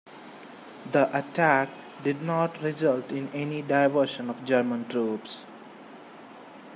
The attack did not result in any diversion of German troops.